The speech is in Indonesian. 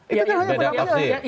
itu kan hanya penafsiran